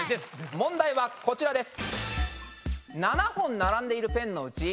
問題はこちらです。